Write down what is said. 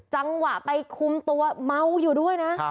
จังหวะไปคุมตัวเมาอยู่ด้วยนะ